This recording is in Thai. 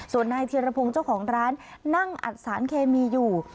ส่วนนายธีรพงศ์เจ้าของร้านนั่งอัดสารเคมีอยู่